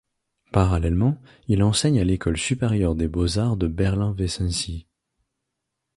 Parallèlement, il enseigne à l’école supérieure des beaux-arts de Berlin-Weissensee.